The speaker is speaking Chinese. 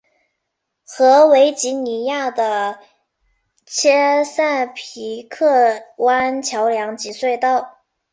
和维吉尼亚的切塞皮克湾桥梁及隧道。